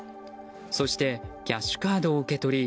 そしてキャッシュカードを受け取り